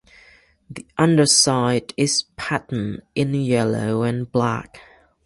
The underside is patterned in yellow and black.